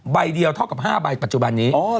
ใบเดียวเท่ากับ๕ใบปัจจุบันนี้